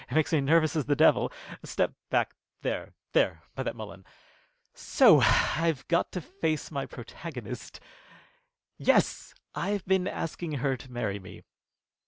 It makes me nervous ad the devil. Step back there there by that mullein. So! I've got to face my protagonist. Yes, I've been asking her to marry me."